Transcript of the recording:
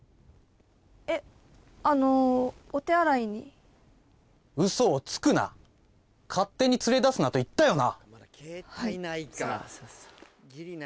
えっあのお手洗いに嘘をつくな勝手に連れだすなと言ったよな！